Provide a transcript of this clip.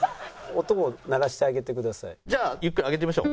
じゃあゆっくり上げてみましょう。